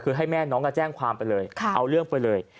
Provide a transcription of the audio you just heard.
คือให้แม่น้องแจ้งความไปเลยเอาเรื่องไปเลย